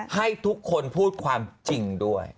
ให้ทุกคนพูดความจริงด้วย